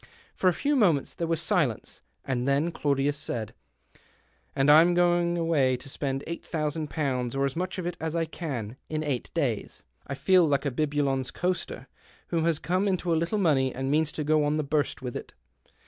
For a few moments there was silence, and then Claudius said —" And I'm going away to spend eight thousand pounds — or as much of it as I can — in eight days. When I think of all you've been saying, I feel like a bibulous coster, who has come into a little money, and means to go on the burst with it."